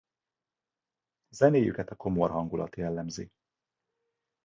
Zenéjüket a komor hangulat jellemzi.